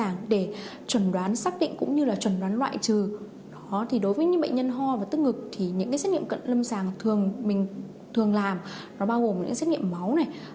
những cái xét nghiệm cận lâm sàng thường mình thường làm nó bao gồm những xét nghiệm máu này